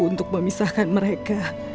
untuk memisahkan mereka